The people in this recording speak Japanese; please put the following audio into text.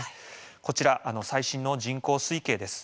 こちら、最新の人口推計です。